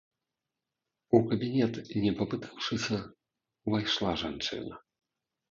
У кабінет, не папытаўшыся, увайшла жанчына.